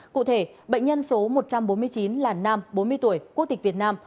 cụ thể bệnh nhân số một trăm bốn mươi chín là nam bốn mươi tuổi quốc tịch việt nam